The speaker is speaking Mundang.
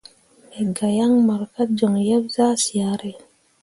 Me ga yaŋ mor ka joŋ yeb zah syare.